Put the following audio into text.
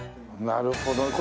なるほど。